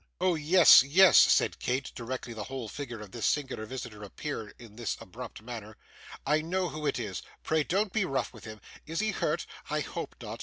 'Oh! yes, yes,' said Kate, directly the whole figure of this singular visitor appeared in this abrupt manner. 'I know who it is. Pray don't be rough with him. Is he hurt? I hope not.